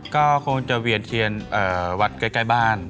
ก็คงจะเวียนเทียนวัดใกล้บ้าน